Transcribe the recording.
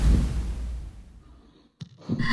قاعده د ژبې یو اصل دئ.